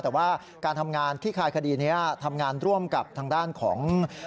แต่ว่าการทำงานขี้คายคดีนี้ทำงานร่วมกับทางด้านของ